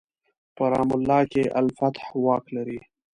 په رام الله کې الفتح واک لري.